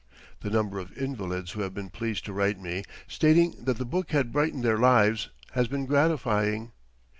The number of invalids who have been pleased to write me, stating that the book had brightened their lives, has been gratifying.